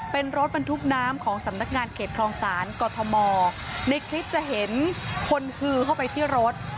เป็นรถบรรทุกน้ำของสำนักงานเขตคลองศาลกอทมในคลิปจะเห็นคนฮือเข้าไปที่รถ